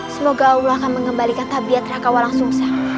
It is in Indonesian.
semoga allah akan mengembalikan tabiat raka walang sungsang